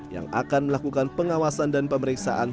yang akan melakukan pengawasan dan pemeriksaan